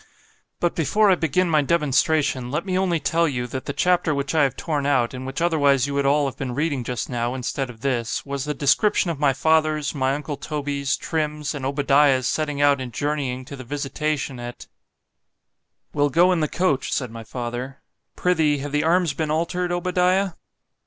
But before I begin my demonstration, let me only tell you, that the chapter which I have torn out, and which otherwise you would all have been reading just now, instead of this——was the description of my father's, my uncle Toby's, Trim's, and Obadiah's setting out and journeying to the visitation at We'll go in the coach, said my father—Prithee, have the arms been altered, Obadiah?